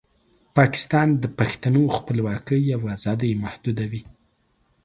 پاکستان د پښتنو خپلواکۍ او ازادۍ محدودوي.